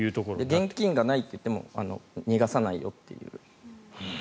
現金がないって言っても逃がさないよという。